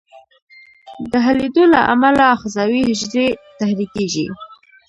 د حلېدو له امله آخذوي حجرې تحریکیږي.